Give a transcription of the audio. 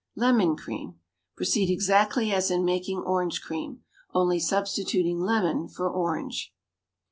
LEMON CREAM. Proceed exactly as in making orange cream, only substituting lemon for orange.